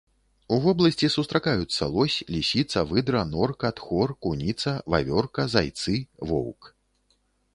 У вобласці сустракаюцца лось, лісіца, выдра, норка, тхор, куніца, вавёрка, зайцы, воўк.